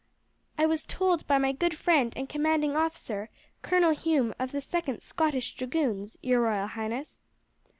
"I was told by my good friend and commanding officer, Colonel Hume of the 2nd Scottish Dragoons, your royal highness."